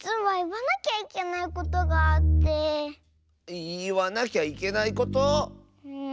いわなきゃいけないこと⁉うん。